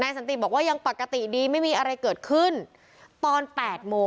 สันติบอกว่ายังปกติดีไม่มีอะไรเกิดขึ้นตอน๘โมง